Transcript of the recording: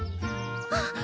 あっ！